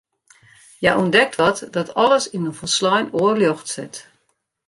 Hja ûntdekt wat dat alles yn in folslein oar ljocht set.